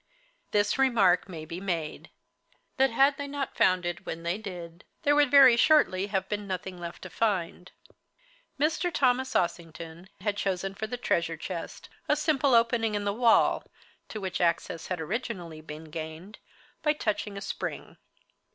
This remark may be made that had they not found it when they did there would very shortly have been nothing left to find. Mr. Thomas Ossington had chosen for the treasure chest a simple opening in the wall, to which access had originally been gained by touching a spring.